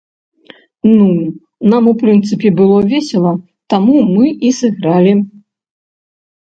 Ну, нам, у прынцыпе, было весела, таму мы і сыгралі!